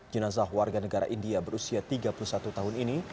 jenazah warga negara india berusia tiga puluh satu tahun ini